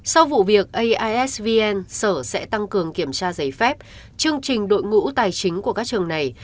sau vụ việc aisvn sở sẽ tăng cường kiểm tra giấy phép chương trình đội ngũ tài chính của các trường này